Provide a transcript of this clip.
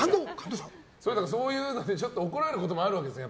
そういうのでちょっと怒られることもあるんですね。